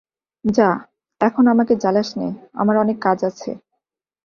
যা, এখন আমাকে জ্বালাস নে– আমার অনেক কাজ আছে।